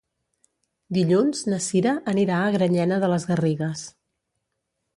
Dilluns na Cira anirà a Granyena de les Garrigues.